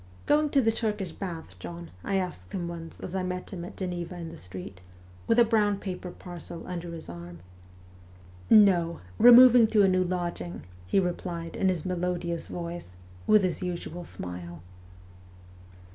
' Going to the Turkish bath, John ?' I asked him once as I met him at Geneva in the street, with a brown paper parcel under his arm. ' No, removing to a new lodging,' he replied in his melodious voice, with his usual smile.